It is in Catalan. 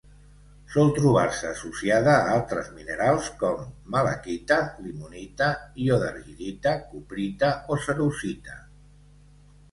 Sol trobar-se associada a altres minerals com: malaquita, limonita, iodargirita, cuprita o cerussita.